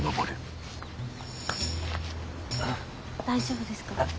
大丈夫ですか？